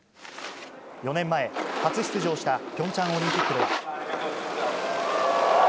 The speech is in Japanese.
４年前、初出場したピョンチャンオリンピックで。